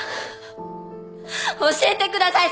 教えてください！